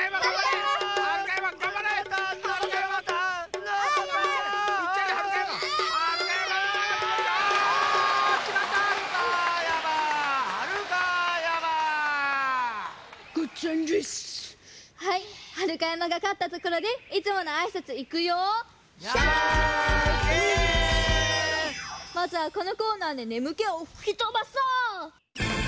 まずはこのコーナーでねむけをふきとばそう！